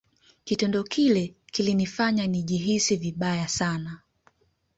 kitendo kile kilinifanya nijihisi vibaya sana